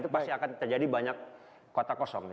itu pasti akan terjadi banyak kota kosong